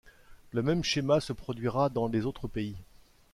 Le même schéma se produira dans les autres pays.